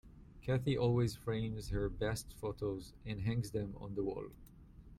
Katie always frames her best photos, and hangs them on the wall.